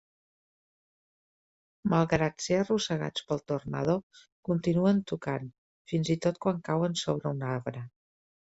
Malgrat ser arrossegats pel tornado, continuen tocant, fins i tot quan cauen sobre un arbre.